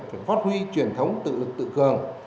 phải phát huy truyền thống tự lực tự cường